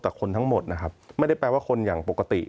แต่คนทั้งหมดนะครับไม่ได้แปลว่าคนอย่างปกติ